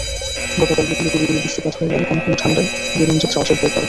গতকাল বিকেলে গুঁড়ি গুঁড়ি বৃষ্টিপাত হওয়ায় কনকনে ঠান্ডায় জীবনযাত্রা অচল হয়ে পড়ে।